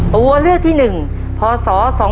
ตัวเลือกที่๑พศ๒๕๖